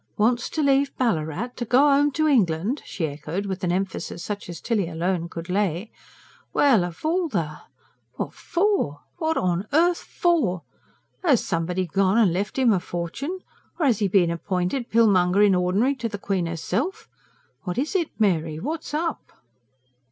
"Wants to leave Ballarat? To go home to England?" she echoed, with an emphasis such as Tilly alone could lay. "Well! of all the ... What for? What on earth for? 'As somebody gone and left 'im a fortune? Or 'as 'e been appointed pillmonger in ordinary to the Queen 'erself? What is it, Mary? What's up?"